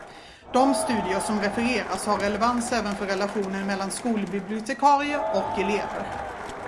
De studier som refereras har relevans även för relationen mellan skolbibliotekarie och elever.